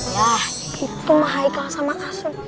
ya itu haikal sama asuk